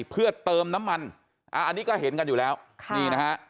เพื่อเติมน้ำมันอันนี้ก็เห็นกันอยู่แล้วค่ะนี่นะฮะ